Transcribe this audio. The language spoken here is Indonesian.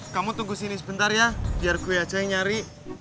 kamu tunggu sini sebentar ya biar gue aja yang nyari